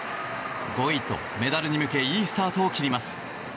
５位とメダルに向けいいスタートを切ります。